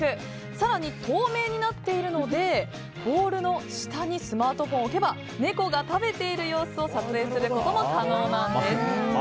更に、透明になっているのでボウルの下にスマートフォンを置けば猫が食べている様子を撮影することも可能なんです。